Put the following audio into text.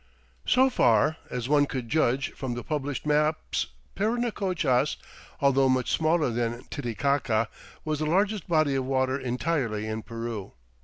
So far as one could judge from the published maps Parinacochas, although much smaller than Titicaca, was the largest body of water entirely in Peru.